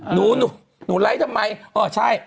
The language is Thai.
หนูหนูไลค์ทำไมเออใช่